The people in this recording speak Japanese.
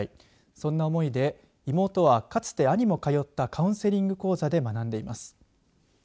そんな思いで妹はかつて兄も通ったカウンセリング講座で学んでいます。